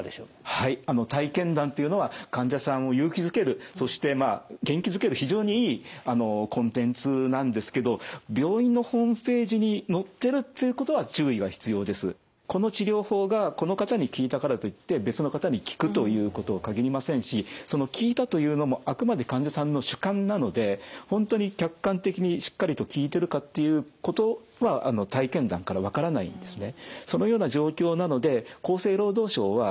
はいあの体験談というのは患者さんを勇気づけるそしてまあ元気づける非常にいいコンテンツなんですけどこの治療法がこの方に効いたからといって別の方に効くということは限りませんしその「効いた」というのもあくまで患者さんの主観なので本当に客観的にしっかりと効いてるかっていうことは体験談から分からないんですね。